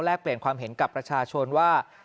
เปลี่ยนความเห็นกับประชาชนว่า